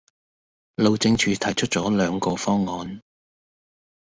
路政署提出咗兩個方案